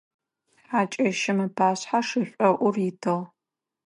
Хьакӏэщым ыпашъхьэ шышӏоӏур итыгъ.